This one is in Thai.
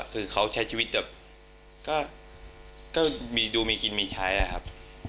คือเขาใช้ชีวิตแบบก็มีดูมีกินมีใช้นะครับ